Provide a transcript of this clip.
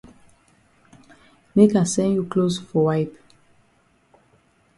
Make I send you closs for wipe.